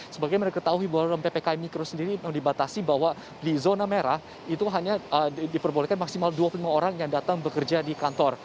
sebagai mereka ketahui bahwa dalam ppkm mikro sendiri memang dibatasi bahwa di zona merah itu hanya diperbolehkan maksimal dua puluh lima orang yang datang bekerja di kantor